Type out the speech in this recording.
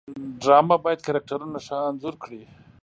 ډرامه باید کرکټرونه ښه انځور کړي